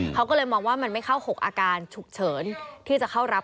เขาก็เลยมองว่ามันไม่เข้า๖อาการฉุกเฉินที่จะเข้ารับ